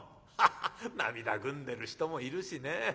ハハッ涙ぐんでる人もいるしね。